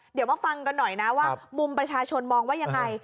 เดี๋ยวมาฟังกันหน่อยนะว่ามุมประชาชนมองว่ายังไง